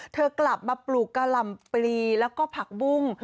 เธอกลับมาปลูกกะหล่ำปลีแล้วก็ผักบุ้ง